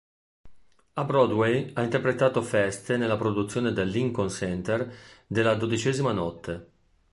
A Broadway ha interpretato Feste nella produzione del Lincoln Center de "La dodicesima notte".